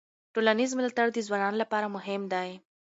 ټولنیز ملاتړ د ځوانانو لپاره مهم دی.